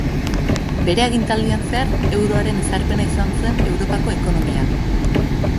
Bere agintaldian zehar Euroaren ezarpena izan zen Europako ekonomian.